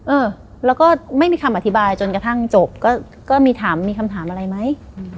เออแล้วก็ไม่มีคำอธิบายจนกระทั่งจบก็มีถามมีคำถามอะไรไหม